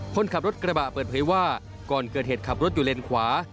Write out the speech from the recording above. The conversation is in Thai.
คนขับรถกระบะเปิดเผยว่าก่อนเกิดเหตุขับรถอยู่เลนขวา